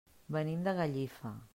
Venim de Gallifa.